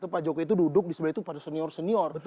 pak jokowi itu duduk di sebelah itu pada senior senior